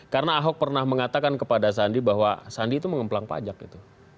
karena ahok pernah mengatakan kepada sandi bahwa sandi itu mengempelang pajak gitu